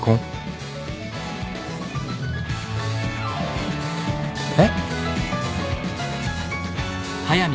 えっ？